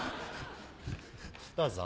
どうぞ。